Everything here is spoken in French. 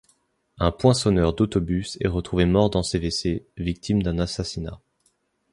Un poinçonneur d'autobus est retrouvé mort dans ses wc, victime d'un assassinat.